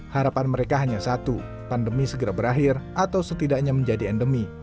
harapan mereka hanya satu pandemi segera berakhir atau setidaknya menjadi endemi